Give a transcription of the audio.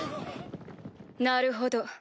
・なるほど。